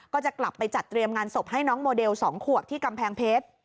ก็จะกลับไปจัดเตรียมงานศพให้น้องโมเดล๒ขวบที่กำแพงเพชร